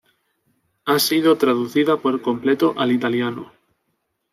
Ha sido traducida por completo al italiano.